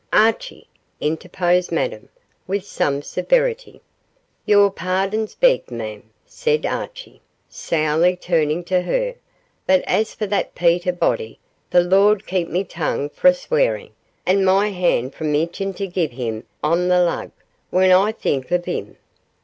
'Archie!' interposed Madame, with some severity. 'Your pardon's begged, mem,' said Archie, sourly turning to her; 'but as for that Peter body, the Lord keep me tongue fra' swearin', an' my hand from itching to gie him ain on the lug, when I think o' him.